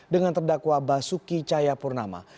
dengan terdakwa basuki chayapurnama